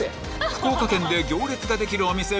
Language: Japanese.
福岡県で行列ができるお店